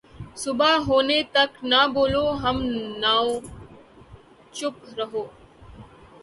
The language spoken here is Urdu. صبح ہونے تک نہ بولو ہم نواؤ ، چُپ رہو